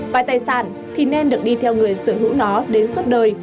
và tài sản thì nên được đi theo người sở hữu nó đến suốt đời